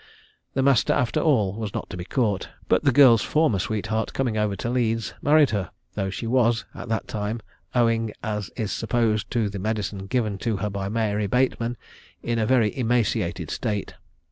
The master after all was not to be caught; but the girl's former sweetheart coming over to Leeds married her, though she was, at that time, owing as is supposed to the medicine given to her by Mary Bateman, in a very emaciated state.